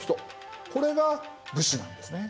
これが武士なんですね。